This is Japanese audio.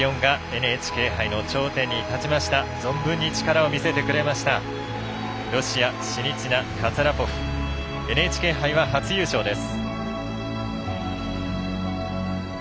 ＮＨＫ杯は初優勝です。